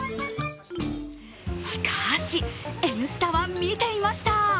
しかし、「Ｎスタ」は見ていました！